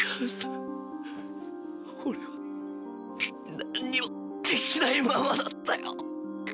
何にもできないままだったよ！！